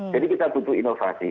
jadi kita butuh inovasi